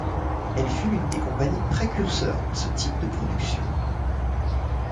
Elle fût l'une des compagnies précurseuse dans ce type de production.